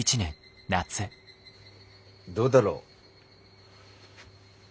どうだろう？